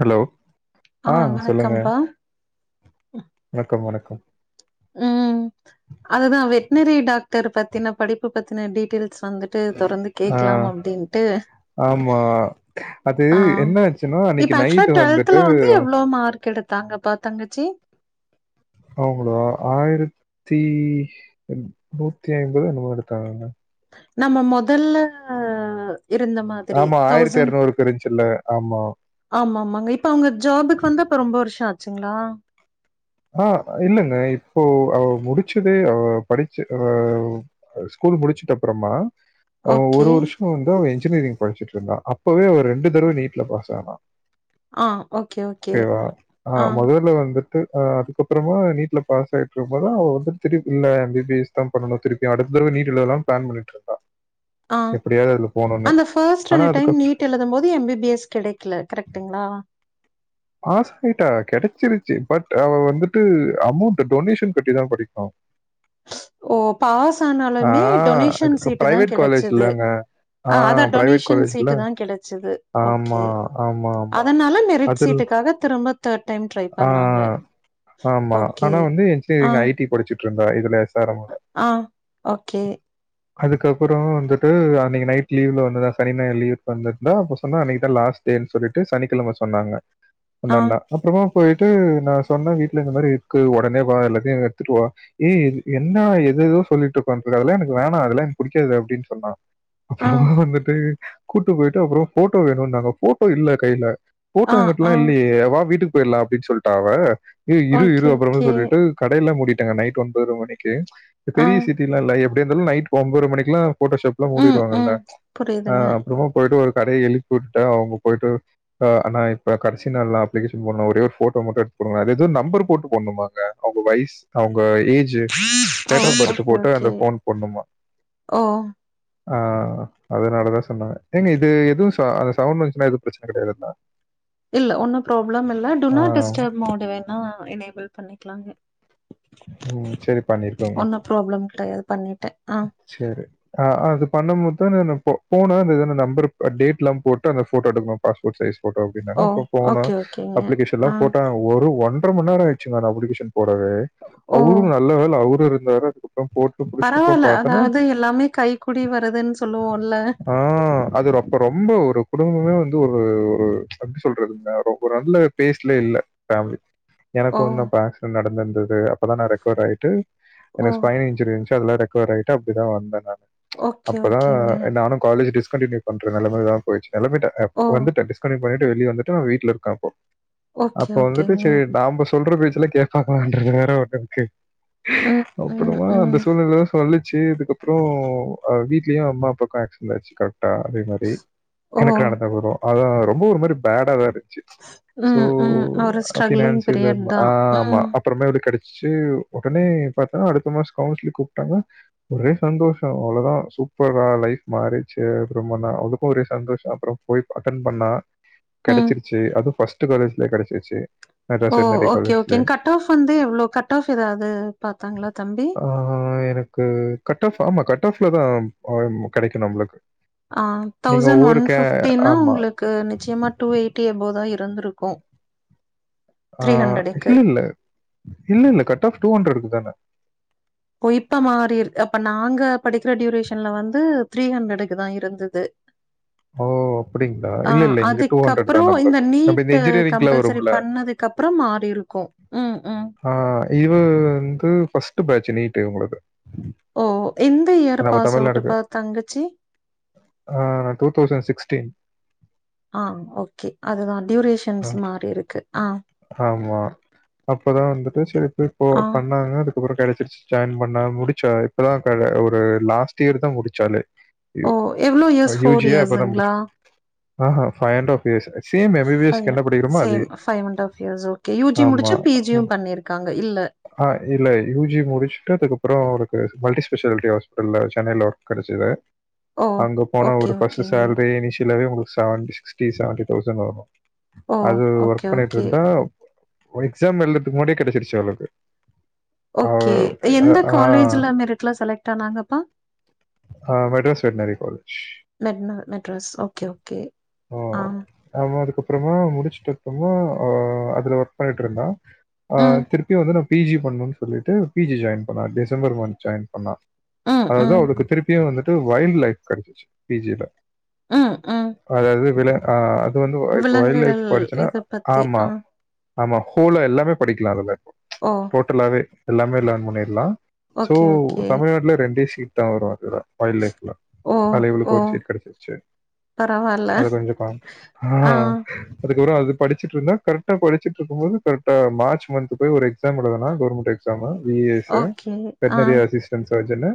Hello ஆ வணக்கம் ஆன் சொல்லுங்க வணக்கம்ப்பா வணக்கம் வணக்கம் ம் அதுதா வெட்னரி டாக்டர் பத்தின படிப்பு பத்தின டீட்யெல்ஸ் வந்துட்டு ட்டு தொடர்ந்து ஆ கேக்கலாம் அப்டின்ட்டு ஆமா. அது ஆன் என்ன ஆச்சுன்னா, அன்னைக்கு இப்ப ஆக்சுவல நைட்டு வந்துட்டு ட்வெல்த்துல வந்து அவங்க ஸ் எவ்ளோ மார்க் எடுத் தாங்கப்பா தங்கச்சி அவங்களோ ஆயிரத்தி நூத்தி ஐம்பதோ என்னமோ எடுத்தாங்க நம்ம மொதல்ல இருந்தமா ஆமா ஆயிரத்தி எரநூறுக்கு இருஞ்சுல்ல ஆமா ஆமா ஆமாங்க இப்ப அவங்க ஜாபுக்கு வந்து அப்ப ரொம்ப வருஷம் ஆச்சுங்களா ஆ இல்லங்க இப்போ அவ முடிச்சதே அவ படிச்ச அ ஸ்கூல் முடிச்சிட்டு அப்பறமா ஓகே ஒரு வருஷோ ன் வந்து அவ இன்ஜினியரிங் படிச்சிட்டு இருந்தா அப்பவே அவ ரெண்டு தடவ நீட்ல பாஸ் ஆனா ஆ ஓகே ஓகே ஓகேவா அ ஆ மொதல்ல வந் ஆ அதுக்கப்பறமா நீட்ல பாஸ் ஆயிட்டு இருக்கு போதான் அவ வந்து திருப் இல்ல எம் பி பி எஸ் தான் பண்ணுனு திருப்பியு அடுத்ததறவ நீட் எழுதலானு ப்ளான் பண்ணிட்டு இருக்கா ஆ அந்த பஸ்டு ஆனா ரெண்டு டைம் அதுக்கப்புறம் நீட் எழுதும் போது எம் பி பி எஸ் கெடைக்கல கரெக்டுங்களா பாஸ் ஆயிட்டா கெடச்சிருச்சு பட் அவ வந்துட்டு அமௌண்ட் டொனேஷன் கட்டி தா படிக்குனு ஓ பாஸ் ஆ ஆனாலுமே டொனேஷன் சீட்டு தா பிரைவேட் கெடச்சது காலேஜ்லங்க. ஆ அதா பிரைவேட் டொனேஷன் காலேஜ்ல. சீட்டு தா கெடச்சது ஆமா, ஓகே ஆமா, ஆமா. அதனால மெரிட் அதில் சீட்டுக் தக திரும்ப தேட் டைம் ட்ரை ஆ பண்ணாங்க. ஆமா ஓகே. ஆனா வந்து ஆ, என்ஜினியரிங் ஐ டி படிச்சுட்டு இருந்தா இதுலயாச் ஆ ஓகே அதுக்கப்றோ வந்துட்டு அன்னைக்கு நைட் லீ்வுல வந்துருந்தா சனி ஞாயிறு லீவுக்கு வந்துருந்தா அப்ப சொன்னா அன்னைக்கு தா லாஸ்ட் டேன்னு சொல்லிட்டு சனிக்கெழம சொன்னாங்க ஆ, ஒண்ணாருந்தா அப்றமா போயிட்டு நா சொன்னே வீட்ல இந்த மாத்ரி க்கு ஒடனே வா எல்லாத்தையு எடுத்துட்டு வா ஏய் என்னா எதேதோ சொல்லிட்டு‌ ஒக்காண்ட்ருக்க அதெல்லா எனக்கு வேணா அதெல்லா எனக்கு புடிக்காது அப்டின்னு சொன்னா ஆ, அப்பறமா வந்துட்டு கூட்டு போயிட்டு அப்றோ போட்டோ வேணும்ட்டாங்க ஃபோட்டோ இல்ல கைல ஆ, ஃபோட்டோ எங்கிட்டலா ஆ. இல்லையே வா வீட்டுக்கு போயிட்லா அப்டின்னு சொல்ட்டா அவ ஏ இரு ஓகே, இரு அப்றமே ஓகே. சொல்லிட்டு கடைல்லா மூடிட்டாங்க நைட் ஒன்பதர மணிக்கு இந்த ஆ. பெரிய சிட்டி இல்ல இல்ல எப்டியே இருந்தாலு நைட் ஒன்பதரை மணிக்கெல்லா ஃபோட்டோஷாப் எல்லா ம், மூடிடுவாங்கல்ல ம். ஆ புரியுதுங்க. அப்பறமா போயிட்டு ஒரு கடைய எழுப் ப்புடே அவுங்க போயிட்டு ஆனா இப்ப கடைசி நாள்னா அப்ளிகேஷன் இம்பொண்ணு ஒரே ஒரு போட்டோ மட்டு எடுத்து குடுங்களே அத ஏதோ நம்பர் போட்டு போடணுமாங்க அவுங்க வைஸ் அவுங்க ஏஜ் ஜு ஓ! டேட் ஆஃப் பெர்த்து ஓகே, போட்டு ஓகே. அந்த போன் போண்ணுமா ஓ! ஆ அதனாலதா சொன்னே ஏங்க இது எதுவு சா அந்த சவுண்ட் வந்துச்சுன்னா எதுவு ப்ரச்சன கெடையாதுல்ல இல்ல ஒன்னும் ப்ராப்ளம் இல்ல ஆ டூநாட் டிஸ்டர்ப் மோடு வேணா எனேபிள் பண்ணிக்கலாமே ஓ சேரி பண்ணிர்க்கோங்க ப்ராப்ளம் கெடையாது பண்ணிட்டே‌ஆ சேர்ரி ஆ அது பண்ணபோதான் நானு போனா அ நம்பர் டேட்ல்லா போட்டு அந்த போட்டோ எடுக்கணு பாஸ்போட் சைஸ் ஃபோட்டோ அப்பி ஓ! ன்னாங்க ஓகே, ஓகேங்க. அப்ளிகேஷன்ல ஆ. போட்டோ ஒரு ஒன்ட்ற மண் நேரோ ஆயச்சுங்க அப்ளிகேஷன் போடவே ஓ! அவரு நல்ல வேல அவரு இருந்தாரு அப்போ போட் பரவால்ல அதாவ்து எல்லாமே கைக்கூடி வருதுன்னு சொல்லுவோல்ல ஆ அது ரொப்ப ரொம்ப ஒரு குடும்பமே வந்து ஒரு ஒரு எப்டி சொல்றதுங்க ரொம்ப நல்ல பேஸ்ட்லே இல்ல ஃபேமிலி எனக்கு ஓ! வந்து அப்ப ஆக்சிட்ண்ட் நடந்திருந்தது அப்பதா நா ரெக்கவர் ஆயிட்டு ஓ! எனக்கு ஸ்பைன் இன்சுரி இருந்துச்சு அதெல்லா ரெகவர் ஆயிட்டு அப்டிதா வந்தே நான் ஓகே, அப்பதான் ஓகேங்க. நானும் காலேஜ் டிஸ்கண்டினியூ பண்ற நெலமதா போய்ச்சு கெளம்பிட்டே ஓ! வந்துட்டே டிஸ்கன்டினியூ பண்ணிட்டு வெளியே வந்துட்டு வீட்டுல இருக்கே அப்போ ஓகே, அப்ப வந்துட்டு ஓகேங்க. சேரி டாம்பஸ் சொல்ற பேச்சுல கேப்பாங்களான்றது வேற ஒண்ணக்கு ம், ம், அப்புறமா அந்த ம். சூழ்நிலையில தா சொல்லிச்சு அதுக்கப்புறோ வீட்லயு அம்மா அப்பாவுக்கு ஆக்சிடெண்ட் ஆயிடுச்சு கால் டா அதே மாரி ஓ! எனக்கு நடந்த போரும் அதா ரொம்ப ஒரு மாரி பேடா தா இருந்துச்சி சோ ம், ம். ஒரு ஸ்ட்ரக்லிங் ஃபினான்சியல் பீரியட் இல்ல தான். ஆமா ம், அப்புறமேலு கெடச்சுச்சு ஒடனே பாத்தா அடுத்த மாசோ கவுன்சில கூப்ட்டாங்க ஒரே சந்தோஷோ அவ்ளோதான் சூப்பரா லைஃப் மாரிருச்சு அப்புறமா நா அவளுக்கு ஒரே சந்தோஷம் அப்றோ போய் அட்டன் பண்ணா ம். கெடச்சிருச்சு அதுவு ஃபஸ்ட்டு காலேஜ்லேயே கெடச்சிருச்சு ஓ ஓகே ஓகேங் கட் ஆஃப் வந்து எவ்ளோ கட் ஆஃப் ஏதாவ்து பாத்தாங்களா தம்பி ஆ எனக்கு கட் ஆஃப் ஆமா கட் ஆஃப்ல தா அய்ம் கெடக்கு‌ நம்ளுக்கு ஆ தௌசண்ட் ஒன் பிஃப்டினா ஆமா. உங்களுக்கு நிச்சயமா டூ எயிட்டி எபோதா இருந்திருக்கு ஆ இல்ல இல்ல இல்ல இல்ல கட் ஆஃப் டூ ஹண்ட்ரடுக்கு தான ஓ இப்ப மாரி இருக் அப்ப நாங்க படிக்கிற டியூரேஷன்ல வந்து த்ரீ ஹண்ட்டுக்கு தா இருந்தது ஓ அப்டிங்ளா ஆ இல்ல இல்ல இங்க டூ ஹண்ட்ரட் தா அதுக்கப்புறம் இந்த நம்பளுக்கு நம்ம இந்த இன்ஜினியரிங்குல்ல வரும்ல அத்க்கப்பறம் மாரி இருக்கு ம் ம் ஆ இது வந்து ஃபஸ்ட் பேட்ச நீட்டு இவுங்களது ஓ எந்த இயர் பாஸ் அவுட்டு் பா தங்கச்சி ஆ ஆ ஓகே அதுதா ஆ. டியூரேஷன்ஸ் மாரி இருக்கு ஆ ஆமா அப்பதா வந்துட்டு சேரி போய் போ ஆ. பண்ணாங்க அதுக் அப்பறோ கெடைச்சிருச்சி ஜாயின் பண்ணா முடிச்சா இப்பதா க ஒரு லாஸ்ட் இயர் தான் முடிச்சாலே யூ ஓ! எவ்ளோ அ இயர்ஸ் யூ ஜி யே அப்பத இயர்ஸுங்களா? முடிச் ஆ ஹா five and half years same M B B S க்கு என்ன படிக்கிறோமோ அதே five and half years okay U G ஆமா. முடுச்சி பி ஜி யு உம், பண்ணிருக்காங்க இல்ல ஆ இல்ல யு ஜி முடிச்சிட்டு அதுக்கப்பறோ அவளுக்கு மல்டி ஸ்பெஷாலிட்டி ஹாஸ்பிடல்ல சென்னைல கடச்சிது ஓ! அங்க போன ஓகே, ஒரு ஃபர்ஸ்ட் ஓகேங்க. சேல்ரியே இனிஷியலாவே உங்களுக்கு செவன்டி சிக்ஸ்டி செவன்டி தௌசண்ட் வருமா ஓ ஓகே ஓகே ஆ எக்ஸாம் எழுறதுக்கு முன்னாடியே கெடச்சிருச்சி அவளுக்கு அவ ஓகே அ எந்த ஆ. காலேஜில மெரிட்ல செலக்ட் ஆனாங்கப்பா மெட்ராஸ் வெட்னரி காலேஜ். மெட்னா மெட்ராஸ் ஓகே ஓகே ஆ ஆமா அதுக்கப்பறமா முடிச்சிட்டு அப்பறமா ஆ அதுல ஒர்க் பண்ணிட்டு இருந்தா ஆ ம், திருப்பி வந்து நா பி ஜி பண்ணுன்னு சொல்லிட்டு பி ஜி ஜாயின் பண்ணா டிசம்பர் மந்த் ஜாயின் பண்ணா ம், அதாது ம். அவளுக்கு திருப்பியு வந்துட்டு வைல்டு் லைஃப் கெடச்சிச்சி பி ஜி ல ம் ம் அதாது வில ஆ அது வந்து இப்ப வைல்ட் விலங்குகள் லைஃப் படிச்சோன்னா இத பத்தி. ஆமா ஆ. ஆமா ஹோலா எல்லாமே படிக்கலா அதல்ல இப்போ ஓ டோட்லாவே எல்லாமே லேர்ன் பண்ணிர்லா சோ ஓகே, ஓகே. தமிழ்நாட்ல ரெண்டே சீட் தா வரு அதுல வைல்டு லைஃப்ல ஓ! அதுல ஓ! இவளுக்கு ஒரு சீட் கெடச்சிருச்சி பரவால்ல. அது கொஞ்சோ காம் ஆ அதுக்கப்பறோ அது படிச்சிட்டு இருந்தா கரெக்டா படிச்சிட்டு இருக்கும் போது கரெக்டா மார்ச் மந்த் போயி ஒரு எக்ஸாம் ஏழுதுனா கவர்மெண்ட் எக் exam V A S okay. ஆ, வெட்னரி அசிஸ்டன்ட் சர்ஜனு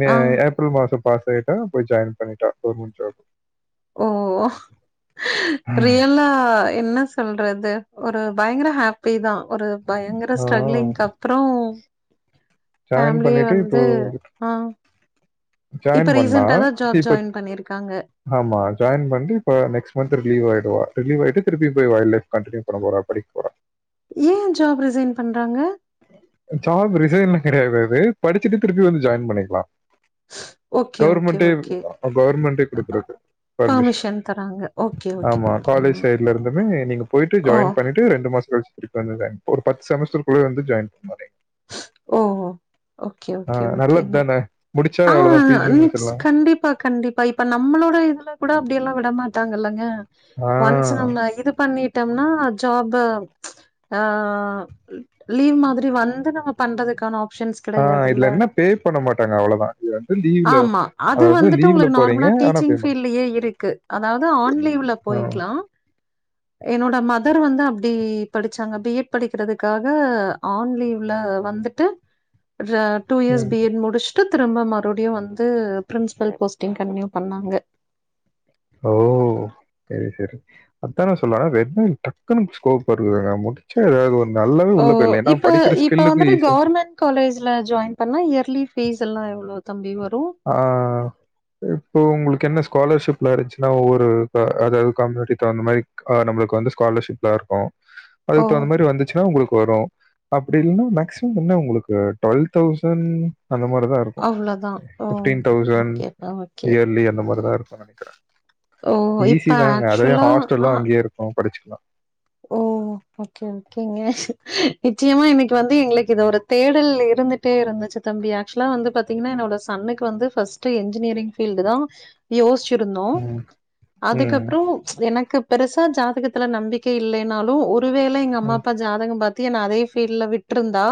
மே ஆ. ஆப் ஏப்ரல் மாசோ பாஸ் ஆயிட்டா போய் ஜாயின் பண்ணிட்டா கவர்மெண்ட் ஜாப் ஓ ரியலா என்ன சொல்றது ஒரு பயங்கர ஹாப்பி தா ஒரு பயங்கர ஆ ஸ்ட்ரகலிங் கப் அப்றோ ஜாயின் ஃபேமிலிய பண்ணிட்டு இப்போ வந்து வந்துட்டு ஆ ஜாயின் இப்ப பண்ணா ரீசென்டா தா ஜாப் இப்ப ஜாயின் பண்ணிருக்காங்க ஆமா ஜாயின் பண்ணிட்டு இப்ப நெக்ஸ்ட் மந்த் ரிலீவ் ஆகிடுவா ரலீவ் ஆயிட்டு திருப்பி போய் வைல்டு லைப் கண்டினியூ பண்ண போறா படிக்க போறா ஏயே ஜாப் ரிசைன் பண்றாங்க ஜாப் ரிசைன்லா கெடையாது அது படிச்சிட்டு திருப்பி வந்து ஜாயின் பண்ணிக்கலா ஓகே, ஓகே, கவர்மெண்ட்டே ஓகே. கவர்மெண்ட்டே அ குடுக்கறது பர்மிஷன் பெர்மிஷன் தராங்க. ஓகே, ஓகே, ஆமா ஓகேங்க. காலேஜ் சைட்ல இருந்துமே நீங்க போயிட்டு ஓ! ஜாயின் பண்ணிட்டு ட்டு ரெண்டு மாசோ கழிச்சி திருப்பி வந்து ஜாயின் பண்ணுவா ஒரு பத்து செமஸ்டர்குள்ளயே வந்து ஜாயின் பண்ணுவாளே ஓ ஓ ஓகே ஓகே நல்லது ஓகேங்க தானே! முடிச்சா ஆ அவ்வளதான். பிஜியும் நிச் முடிச்சிடலாம். கண்டிப்பா கண்டிப் பா இப்ப நம்மளோட இதுல கூட அப்டியெல்லா விடமாட்டாங்க இல்லங்க ஆ, ஒன்ஸ் நம்ம இது பண்ணிட் விட்டம்னா ஜாப்பு ம்ச் ஆ லீவ் மாதிரி வந்து நம்ம பண்றதுக்கான ஆப்ஷன்ஸ் ஆ கெடயாது இல்ல இதுல என்ன பே பண்ண மாட்டாங்க அவ்வளதான். இது வந்து லீவ்ல ஆமா அது அதாவது வந்துட்டு லீவ்ல உங்களுக்கு போறீங்க. நார்மலா ஆனா பே டீச்சிங்ஸ் பண் ஃபீல்ட்லேயே இருக்கு அதாவது ஆன்லீவிலேயே ஆ. போயிகலா என்னோட மதர் வந்து அப்டி படிச்சாங்க பி எட் படிக்கிறதுக்காக ஆன்லீவில வந்துட்டு ர டூ இயர்ஸ் ம். பி எட் முடிச்சுட்டு திரும்ப மறுபடியும் வந்து பிரின்ஸபல் போஸ்டிங் கண்டினியூ பண்ணாங்க ஓ சேரி சேரி அததுனே சொல்லா வெ வெட்னரி டக்குன்னுக்கு ஸ்கோப் வருதுங்க முடி ச்சா ஏதாது ஒரு நல்லாவே ஓ! உள்ள போயி இல்ல ஏன்னா இப்ப படிக்கிற இப்ப ஸ்கில்க்கு வந்துட்டு ஈஸியா கவர்மெண்ட் காலேஜ்ல ஜாயின் பண்ணா இயர்லி ஃபீஸ் எல்லா எவ்ளோ தம்பி வரும் ஆ இப்போ உங்களுக்கு என்ன ஸ்காலர்ஷிப்ல இருந்துச்சுன்னா ஒவ்வொரு அதாவது கம்யூனிட்டி தகுந்த மாதிரி ஆ நம்மளுக்கு வந்து ஸ்காலர்ஷிப்லாம் இருக்கும் ஓ! அதுக்கு தகுந்த மாதிரி வந்துச்சுன்னா உங்களுக்கு வரும் அப்டி இல்லைன்னா மேக்சிமம் என்ன உங்களுக்கு டுவெல் தௌசண்ட் அந்த மாரிதா இரு அவ்ளோதா ஃபிப்டீன் தௌசண்ட் இயர்லி அந்த மாரிதா இருக்குனு நினைக்கிறே ஓ! இப்ப ஈஸி தாங்க அதவே ஆக்சுவலா ஹாஸ்டல்லு ஆ அங்கேயே இருக்கும் படிச்சுக்கலா ஓ! ஓகே ஓகேங்க நிச்சயமா இன்னைக்கு வந்து எங்களுக்கு இது ஒரு தேடல் இருந்து ட்டு இருந்துச்சு தம்பி ஆக்சுவலா வந்து பாத்தீங்கன்னா என்னோட சன்னுக்கு வந்து ஃபர்ஸ்ட் என்ஜினியரிங் ஃபீல்டு தா யோசிச்சிருந்தோ ம். ம். அதுக்கப்புறோ ம்ச் எனக்கு பெருசா ஜாதகத்துல நம்பிக் கை இல்லைனாலு ஒருவேளை எங்க அம்மா ம். அப்பா ஜாதகம் பாத்து என்ன அதே ஃபீல்டல விட்டிருந்தா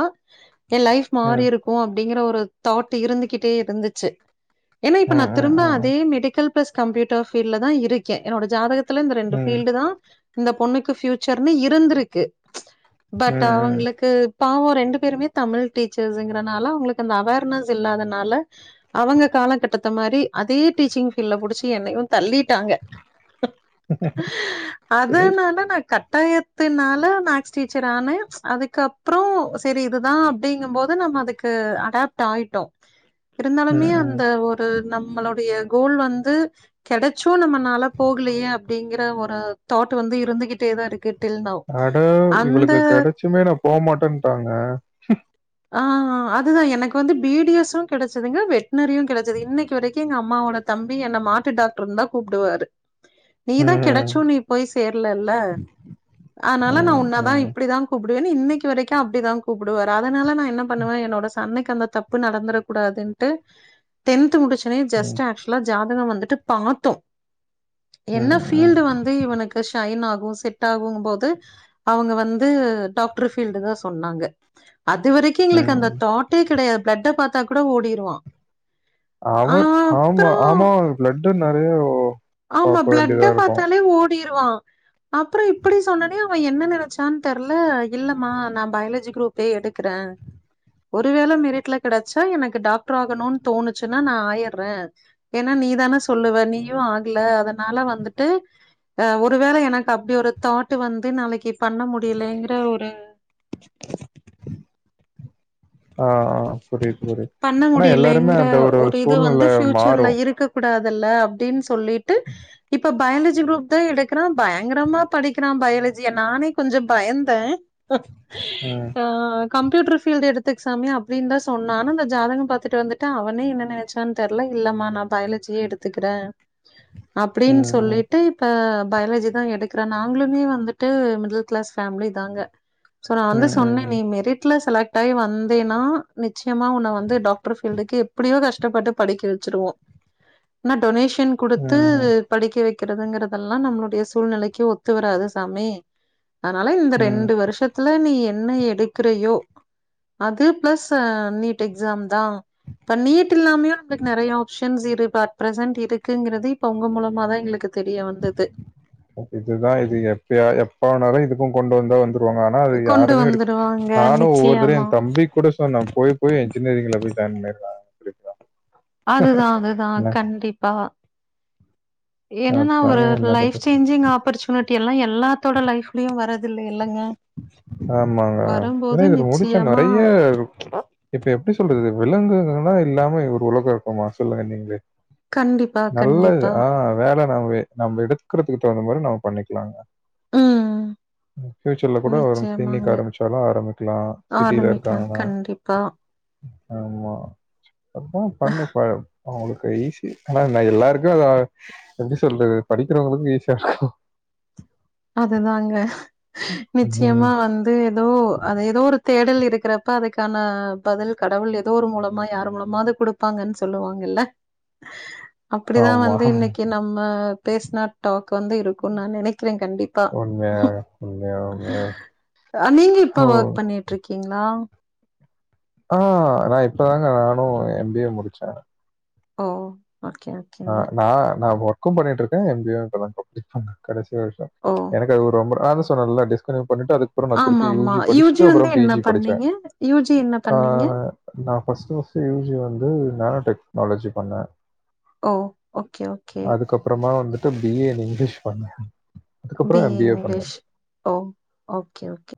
என் லைஃப் மாறி ம். இருக் கும் அப்டிங்கிற ஒரு தாட் இருந்துகிட்டே இருந்துச்சு ஏன்னா இப்ப ம். நான் ம். திரும்ப ம். அதே மெடிக்கல் பிளஸ் கம்ப்யூட்டர் பீல்ல தான் இருக்கேன் என்னோட ஜாதகத்தில் இந்த ரெண்டு ம். ஃபீல்டு தான் இந்த பொண்ணு க்கு ஃப்பியூச்சர்னு இருந்திருக்கு ம்ச் பட் ம். ம். அவங்களுக்கு பாவம் ரெண்டு பேருமே தமிழ் டீச்சர்ஸ்ங்குறதுனால அவங்களுக்கு அந்த அவேர்னஸ் இல்லாதனால அவங்க காலகட்டத்த மாதிரி அதே டீச்சிங் ஃபீல்டல புடிச்சு என்னையு தள்ளிட்டாங்க அதனால நா கட்டாயத்துனால மேக்ஸ் டீச்சர் ஆன ம்ச் அதுக்கப்புறோ செரி இதுதான் அப் டிங்கும் போது நம்ம அதுக்கு அடாப்ட் ஆகிட்டோம் இருந்தாலுமே ம். ம். அந்த ஒரு நம்மளுடைய கோல் வந்து கிடைச்சும் நம்மனால போகலையே அப்டிங்குற ஒரு தாட் வந்து இருந்துகிட்டே தான் இருக்கு டில் நவ். அட அந்த இவளுக்கு கிடைச்சுமே நான் போமாட்டேன்டறாங்க ஆ அதுதா எனக்கு வந்து பி டி எஸ்ம் கிடைச்சதுங்க வெட்னரியும் கிடைச்சது இன்னைக்கு வரை க்கும் எங்க அம்மாவோட தம்பி என்ன மாட்டு டாக்டர் தான் கூப்பிடுவாரு நீ தான் ம். கிடைக்க ச்சு நீ போய் சேரலல்ல அதனால நா ம். உன்னாதா ம். இப்படிதா கூப்பிடுவேன்னு இன்னைக்கு வரைக்கும் அப்டிதா கூப்பிடுவாரு அதனால என்ன பண்ணுவேன் என்னோட சன்னுக்கு அந்த தப் பு நடந்துட கூடாதுட்டு டென்த் முடிச்சனே ம். ஜஸ்ட் ஆக்சுவலா ஜாதகம் வந்துட்டு பாத்தோம் என்ன ம், ம், ஃபீல்டு வந்து இவனுக்கு ஷைன் ஆகும் செட் டாகும்போது அவங்க வந்து டாக்டர் ஃபீல்டு தான் சொன்னாங்க அதுவரை க்கி எங்களுக்கு அந்த ம். தாட்டே கிடையாது பிளட்ட பாத்தா கூட ஓடிருவா அவன் ஆமா ஆமா பிளட்டு நிறைய ஆமா பிளட்ட பாத்தாலே ஓடிருவா அப்றோ இப்டி சொன்னோனே அவே என்ன நினைச்சான்னு தெர்ல இல்லம்மா நா பயாலஜி குரூப்பே எடுக்குறே ஒருவேள மெரிட்ல கிடைச்சா எனக்கு டாக்டர் ஆகணுன்னு தோணுச்சுன்னா நா ஆயட்றே ஏன்னா நீதானே சொல்லுவ நீயு ஆகல அதனால வந்துட்டு அ ஒருவேள எனக்கு அப்டி ஒரு தாட் வந்து நாளைக்கு பண்ண முடியலைங்கிற ஒரு ம் ஆஹ் புரியுது புரியுது பண்ண ஆனா எல்லாருமே முடியலைங்கிற அந்த ஒரு இது சூழ்நில வந்து ஃபியூச்சர்ல மாறு இருக்க கூடாதுல்ல அப்டின்னு சொல்லிட்டு இப்ப பயாலஜி குரூப் தா எடுக்குறா பயங்கரமா படிக்கிறா பயாலஜிய நானே கொஞ்சோ பயந்தே ம், ஆ கம்ப்யூட்டர் ஃபீல்டு எடுத்துக்க சாமி அப் அப்டின்னு தா சொன்னா ஆனா அந்த ஜாதகம் பாத்துட்டு வந்துட்டு அவனே என்ன நெனைச்சான்னு தெர்ல இல்லம்மா நா பயாலஜியே எடுத்துக்குறே அப்டின்னு ம், ம். சொல்லிட்டு அஹ் பயாலஜி தா எடுக்கிறே நாங்களுமே வந்துட்டு மிடில் கிளாஸ் ஃபேமிலி தாங்க சோ நா வந்து ம், ம், சொன்னே நீ ம். மெரிட்ல செலக்ட் ஆயி வந்தேன்னா நிச்சயமா உன்ன வந்து டாக் டரு ஃபீல்டுக்கு எப்டியோ கஷ்டப்பட்டு படிக்க வச்சிருவோ ஆனா டொனேஷன் கொடுத்து ம்ஹ்ம். படிக்க வைக்கிறதுங்கறதெல்லா நம்மளுடைய சூழ்நிலைக்கு ஒத்து வராது சாமி அதனால இந்த ம். ரெண்டு வருஷத்துல நீ என்ன எடுக்கிறியோ அது பிளஸ் நீட் எக்ஸாம் தா இப்ப நீட் இல்லாமயு உங்களுக்கு நிறைய ஆப்ஷன்ஸ் இருக்கு அட் ப்ரசன்ட் இருக்குங்கிறது இப்ப உங்க மூலமா தா எங்களுக்கு தெரிய வந்தது இதுதா இது எப்ப எப்பனாலு இதுக்கு கொண்டு வந்தா வந்து ங்க ஆனா அது கொண்டு யாருமே எடுக் வந்துருவாங்க நானு ஒவ்வொருத்தரவயு நிச்சயமா ஏ தம்பிக் கூட சொன்னே போய் போய் என்ஜினியரிங்ல போய் ஜாயின் பண்ணுறா அப்டின்னு அதுதா அதுதா கண்டிப்பா என்னன்னா அதாங்க ஒரு என்ன லைஃப் பண்றது? சேஞ்சிங் ஆப்பர்ச்சுனிட்டி எல்லா எல்லாத்தோட லைஃப் அப்டியு வரதில்லைலங்க ஆமாங்க ஏன்னா இவரு முடிச்சா நிச்சயமா நிறைய இப்ப எப்டி சொல்றது விலங்குங்கன்னா இல்லாம ஒரு உலகோ இருக்குமா சொல்லுங்க நீங்களே கண்டிப்பா நல்லது கண்டிப்பா ஆ வேல நம்ம நம்ம எடுக்குறதுக்கு தகுந்த மாரி நம்ம பண்ணிக்கலாங்க ம் ம் ஃபியூச்சர்ல கூட அவரு கிளனிக் நிச்சயமாங்க ஆரம்பிச்சாலு ஆரம்பிக்கலா சிட்டியில ஆரம்பிக்கலா இருக்காங்கன்னா கண்டிப்பா ஆமா அப்பவு ஃபண்ட்ருக்காது அவங்களுக்கு ஈசி ஆனா நா எல்லாருக்கு அத எப்டி சொல்றது படிக்கிறவங்களுக்கு ஈஸியா இருக்கு அதுதாங்க இருக்கும். ம். நிச்சயமா வந்து ஏதோ அது ஏதோ ஒரு தேடல் இருக்கிறப்ப அதுக்கான பதில் கடவுள் ஏதோ ஒரு மூலமா யாரு மூலமாது குடுப்பாங்கன்னு சொல்லுவாங்கல்ல அப்டிதா ஆமா. வந்து இன்னைக்கு நம்ம பேசுன டாக் வந்து இருக்குன்னு நா நினைக்கிறே கண்டிப்பா உண்மையா, உண்மையா, உண்மையா. கா நீங்க இப்ப ஸோ ஒர்க் பண்ணிட்டு இருக்கீங்ளா ஆ நா இப்பதாங்க நானு எம்பிஏ முடிச்சே ஓ ஓகே ஓகேங்க. ஆஹ் நா நா ஒர்க்கு பண்ணிட்டு இருக்கே எம்பிஏ வு இப்ப தா கம்லீட் பண்ணே கடைசி வருஷோ ஓ! எனக்கு அது ரொம்ப நா தா சொன்னேல்ல டிஸ்கன்டினியூ பண்ணிட்டு அதுக்கு அப்புறம திருப்பி ஆமாமா. யூஜி யுஜி படிச்சுட்டு வந்து அப்புறம் என்ன பிஜி படிச்சே பண்ணீங்க? யுஜி என்ன அ பண்ணீங்க? நா ஃபஸ்டு ஃபஸ்டு யூஜி வந்து நோனோ டெக்னாலஜி பண்ணே ஓ ஓகே ஓகே அதுக்கப்புறமா வந்துட்டு பிஏ இங்கிலீஷ் பண்ண பி ஏ இங்கிலிஷ் ஓ ஓகே ஓகே